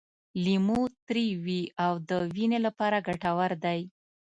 لیمو تریو وي او د وینې لپاره ګټور دی.